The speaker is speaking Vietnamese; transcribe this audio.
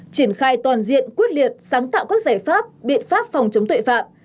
triển khai toàn diện quyết liệt sáng tạo các giải pháp biện pháp phòng chống tội phạm